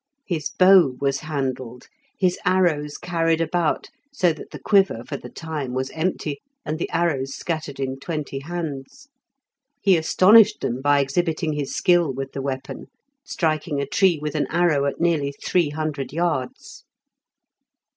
His bow was handled, his arrows carried about so that the quiver for the time was empty, and the arrows scattered in twenty hands. He astonished them by exhibiting his skill with the weapon, striking a tree with an arrow at nearly three hundred yards.